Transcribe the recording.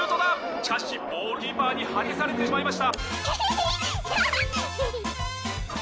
しかしボールはキーパーに弾き返されてしまいました。